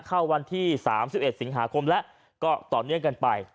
เข้าวันที่๓๑สิงหาคมแล้วก็ต่อเนื่องกันไป